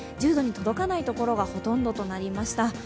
１０度に届かない所がほとんどとなりました。